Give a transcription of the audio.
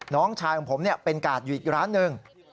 น้องชายของผมเป็นกาดอยู่อีกร้านหนึ่ง